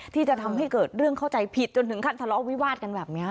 ที่จะทำให้เกิดเรื่องเข้าใจผิดจนถึงขั้นทะเลาะวิวาดกันแบบนี้